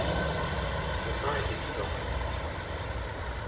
Le vin était piquant.